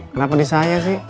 kenapa di saya